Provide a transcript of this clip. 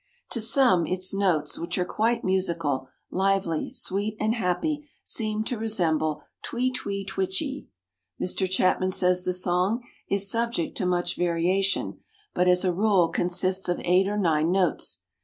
To some its notes, which are quite musical, lively, sweet and happy, seem to resemble twee, twee, twitchie. Mr. Chapman says the song "is subject to much variation, but as a rule consists of eight or nine notes.